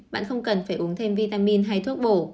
bạn không cần phải uống thêm vitamin hay thuốc bổ